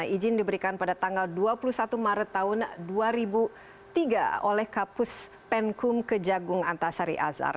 izin diberikan pada tanggal dua puluh satu maret tahun dua ribu tiga oleh kapus penkum kejagung antasari azhar